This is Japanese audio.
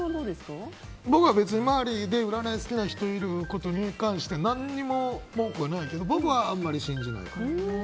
周りの占い好きな人に関して何にも文句はないけど僕はあんまり信じないかな。